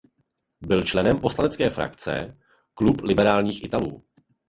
Byl členem poslanecké frakce Klub liberálních Italů.